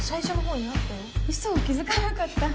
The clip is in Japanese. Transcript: うそ気付かなかった。